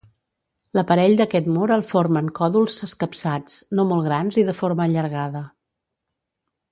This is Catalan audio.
L'aparell d'aquest mur el formen còdols escapçats, no molt grans i de forma allargada.